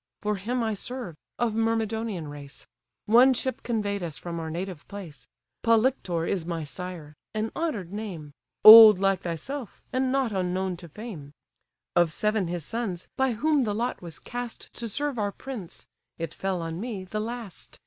For him I serve, of Myrmidonian race; One ship convey'd us from our native place; Polyctor is my sire, an honour'd name, Old like thyself, and not unknown to fame; Of seven his sons, by whom the lot was cast To serve our prince, it fell on me, the last.